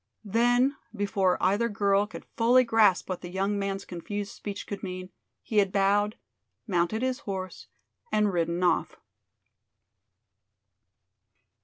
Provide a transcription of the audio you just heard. Then before either girl could fully grasp what the young man's confused speech could mean, he had bowed, mounted his horse and ridden off.